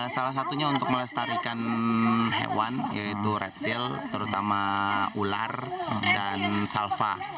salah satunya untuk melestarikan hewan yaitu reptil terutama ular dan salva